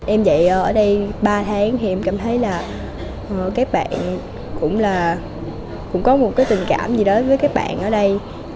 em dạy ở đây ba tháng thì em cảm thấy là các bạn cũng là cũng có một cái tình cảm gì đối với các bạn ở đây